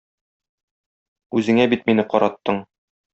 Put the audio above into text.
Үзеңә бит мине караттың.